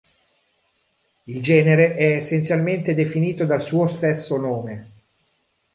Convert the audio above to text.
Il genere è essenzialmente definito dal suo stesso nome.